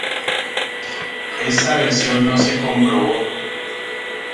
Está versión no se comprobó.